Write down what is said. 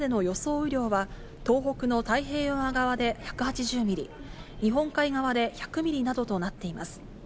雨量は、東北の太平洋側で１８０ミリ、日本海側で１００ミリなどとなっています。